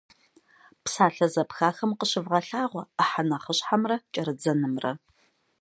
Псалъэ зэпхахэм къыщывгъэлъагъуэ ӏыхьэ нэхъыщхьэмрэ кӏэрыдзэнымрэ.